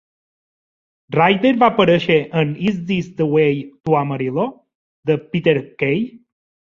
Ryder va aparèixer en "Is This the Way to Amarillo?", de Peter Kay?